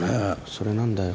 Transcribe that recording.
それなんだよ。